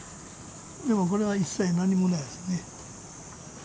でもこれは一切何もないですね。